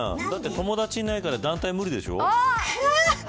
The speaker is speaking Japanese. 友達いないから団体無理でしょう。